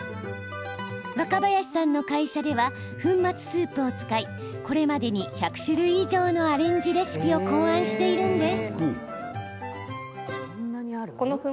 若林さんの会社では粉末スープを使いこれまでに１００種類以上のアレンジレシピを考案しているんです。